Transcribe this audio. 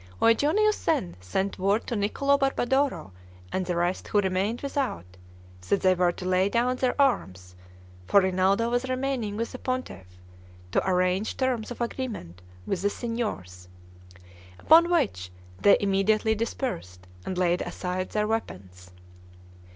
Eugenius then sent word to Niccolo Barbadoro, and the rest who remained without, that they were to lay down their arms, for Rinaldo was remaining with the pontiff, to arrange terms of agreement with the signors; upon which they immediately dispersed, and laid aside their weapons.